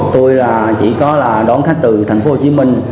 tôi chỉ có là đón khách từ thành phố hồ chí minh